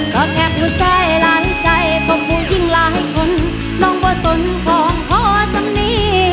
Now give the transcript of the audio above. ก็แค่พูดแส้หลายใจพบกูยิ่งหลายคนน้องบอกสนของภอสมิ